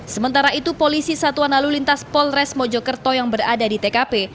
sementara itu polisi satuan lalu lintas polres mojokerto yang berada di tkp